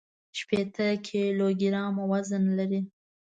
شپېته کيلوګرامه وزن لري.